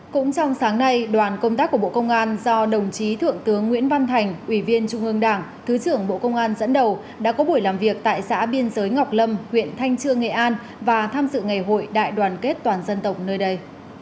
cũng trong sáng nay đoàn công tác của bộ công an do đồng chí thượng tướng nguyễn văn thành ủy viên trung ương đảng thứ trưởng bộ công an dẫn đầu đã có buổi làm việc tại xã biên giới ngọc lâm huyện thanh trương nghệ an và tham dự ngày hội đại đoàn kết toàn dân tộc nơi đây